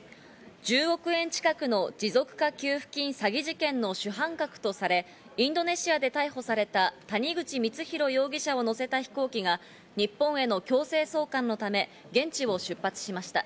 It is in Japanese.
１０億円近くの持続化給付金詐欺事件の主犯格とされ、インドネシアで逮捕された谷口光弘容疑者を乗せた飛行機が日本への強制送還のため現地を出発しました。